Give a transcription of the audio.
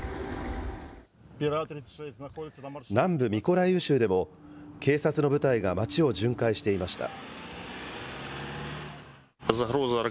南部ミコライウ州でも、警察の部隊が街を巡回していました。